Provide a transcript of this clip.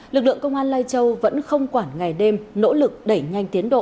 lực lượng công an lai châu vẫn không quản ngày đêm nỗ lực đẩy nhanh tiến độ